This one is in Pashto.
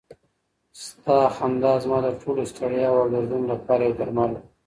ستا خندا زما د ټولو ستړیاوو او دردونو لپاره یو درمل و.